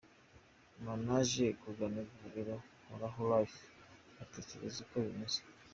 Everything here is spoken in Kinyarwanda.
Nyuma naje kugana ivuriro Horaho Life, mbatekerereza uko bimeze.